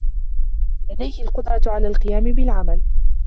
لديه القدرة على القيام بالعمل.